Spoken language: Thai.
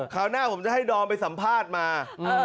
หน้าผมจะให้ดอมไปสัมภาษณ์มา